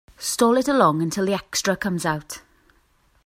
Stall it along until the extra comes out.